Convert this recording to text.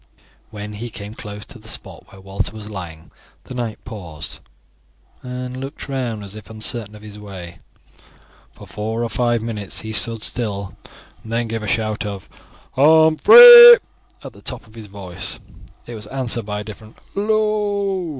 When he came close to the spot where Walter was lying the knight paused and looked round as if uncertain of his way. For four or five minutes he stood still, and then gave a shout of "Humphrey" at the top of his voice. It was answered by a distant "Hallo!"